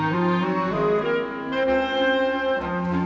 โปรดติดตามต่อไป